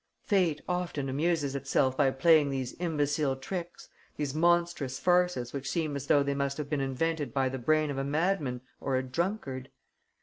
Fate often amuses itself by playing these imbecile tricks, these monstrous farces which seem as though they must have been invented by the brain of a madman or a drunkard.